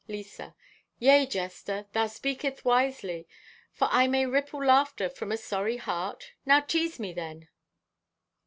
(Lisa) "Yea, jester. Thou speaketh wisely; for may I ripple laughter from a sorry heart? Now tease me, then."